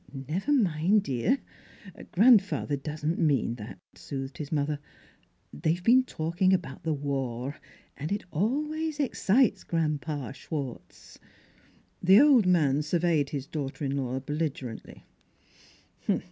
" Never mind, dear: grandfather doesn't mean that," soothed his mother. " They've been talk ing about the war, and it always excites Gran'pa Schwartz." The old man surveyed his daughter in law belligerently.